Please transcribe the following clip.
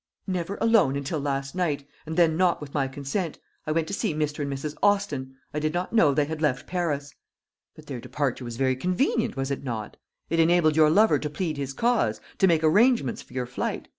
"Never alone until last night, and then not with my consent. I went to see Mr. and Mrs. Austin I did not know they had left Paris." "But their departure was very convenient, was it not? It enabled your lover to plead his cause, to make arrangements for your flight.